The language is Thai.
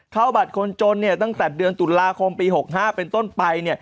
เข้าบัตรคนจนตั้งแต่เดือนตุลาคมปี๖๕เป็นต้นไป